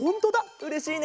うれしいね。